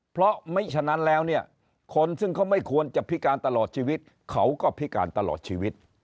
เพราะไม่ฉะนั้นแล้วเนี่ยคนซึ่งเขาไม่ควรจะพิการตลอดชีวิตเขาก็พิการตลอดชีวิต